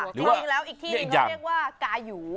หรืออีกอย่างเรียกหรือกาหรู